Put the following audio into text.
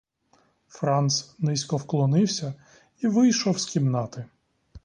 Франц низько вклонився і вийшов з кімнати.